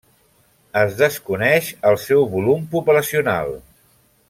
Es desconeix el seu volum poblacional.